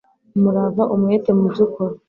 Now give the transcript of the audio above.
umurava umwete mubyo ukora